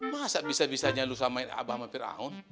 masa bisa bisanya lu samain abah sama fir'aun